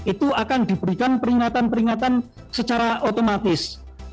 itu akan diberikan peringatan peringatan secara otomatis